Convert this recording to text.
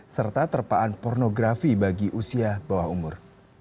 serta terpaan pornografi bagi usia bawah umur